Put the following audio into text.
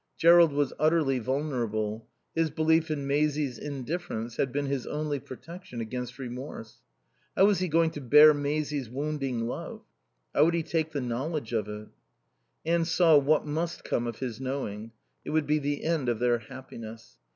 Jerrold was utterly vulnerable; his belief in Maisie's indifference had been his only protection against remorse. How was he going to bear Maisie's wounding love? How would he take the knowledge of it? Anne saw what must come of his knowing. It would be the end of their happiness.